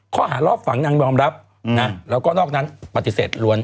ข้อหารอบฝังนางยอมรับนะแล้วก็นอกนั้นปฏิเสธล้วน